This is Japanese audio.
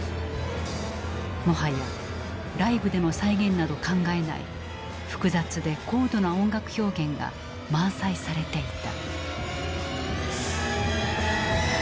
もはやライブでの再現など考えない複雑で高度な音楽表現が満載されていた。